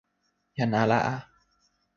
jan ala a.